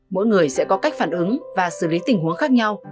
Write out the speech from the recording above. mỗi người sẽ có cách phản ứng và xử lý tình huống khác nhau